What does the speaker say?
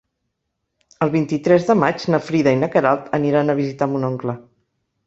El vint-i-tres de maig na Frida i na Queralt aniran a visitar mon oncle.